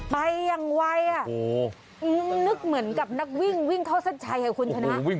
ไปอย่างไวนึกเหมือนกับนักวิ่งเข้าสั้นชัยให้คุณใช่ไหม